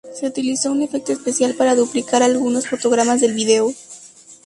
Se utilizó un efecto especial para duplicar algunos fotogramas del video.